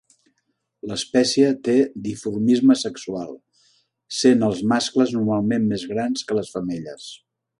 L'espècie té dimorfisme sexual, sent els mascles normalment més grans que les femelles.